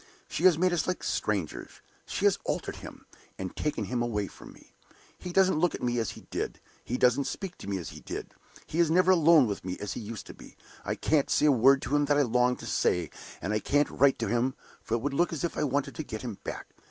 She has made us like strangers; she has altered him, and taken him away from me. He doesn't look at me as he did; he doesn't speak to me as he did; he is never alone with me as he used to be; I can't say the words to him that I long to say; and I can't write to him, for it would look as if I wanted to get him back.